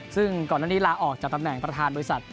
ซึ่งก่อนหน้านี้ลาออกจากตำแหน่งประธานบริษัท